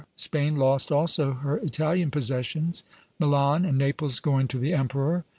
Spain lost also her Italian possessions, Milan and Naples going to the emperor.